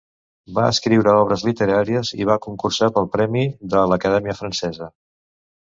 Va escriure obres literàries i va concursar pel premi de l’Acadèmia Francesa.